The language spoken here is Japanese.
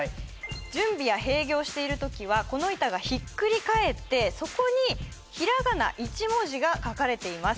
準備や閉業している時はこの板がひっくり返ってそこにひらがな１文字が書かれています